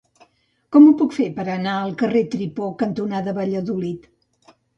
Com ho puc fer per anar al carrer Tripó cantonada Valladolid?